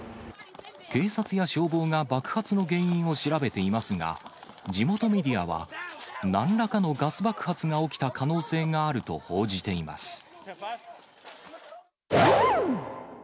警察や消防が爆発の原因を調べていますが、地元メディアは、なんらかのガス爆発が起きた可能性があると報じています。